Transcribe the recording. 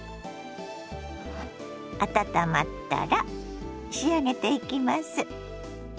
温まったら仕上げていきます。